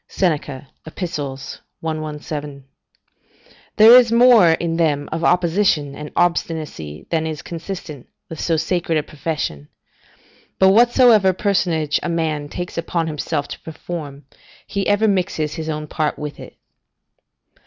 Seneca, Ep., 117.] there is more in them of opposition and obstinacy than is consistent with so sacred a profession; but whatsoever personage a man takes upon himself to perform, he ever mixes his own part with it.